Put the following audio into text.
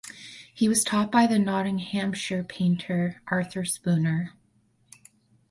He was taught by the Nottinghamshire painter Arthur Spooner.